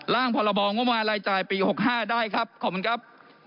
ตั้งพลบองมันวาลัยจ่ายปี๖๕ได้ครับขอบคุณครับ